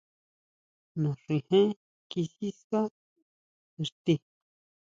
Naxijén kí siská xti.